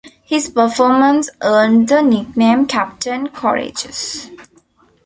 His performance earned the nickname "Captain Courageous".